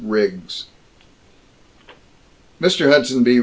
RIGGS Mr. Hudson B.